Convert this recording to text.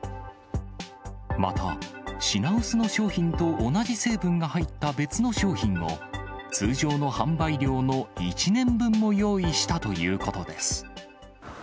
また、品薄の商品と同じ成分が入った別の商品を、通常の販売量の１年分も用意したということです。